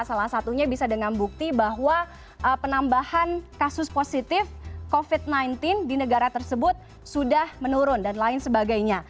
salah satunya bisa dengan bukti bahwa penambahan kasus positif covid sembilan belas di negara tersebut sudah menurun dan lain sebagainya